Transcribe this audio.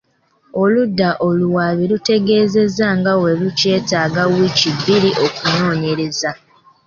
Oludda oluwaabi lutegeezezza nga bwe lukyetaaga wiiki bbiri okunoonyereza.